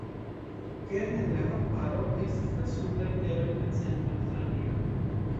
Kerne de la kamparo estas la supraj teroj de centra Aŭstralio.